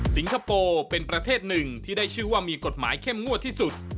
คโปร์เป็นประเทศหนึ่งที่ได้ชื่อว่ามีกฎหมายเข้มงวดที่สุด